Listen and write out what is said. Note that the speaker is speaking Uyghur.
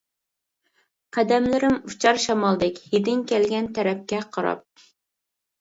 قەدەملىرىم ئۇچار شامالدەك، ھىدىڭ كەلگەن تەرەپكە قاراپ.